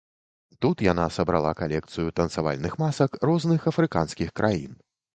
Тут яна сабрала калекцыю танцавальных масак розных афрыканскіх краін.